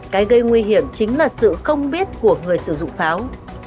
cái gây nguy hiểm chính là sự không biết của người sử dụng pháo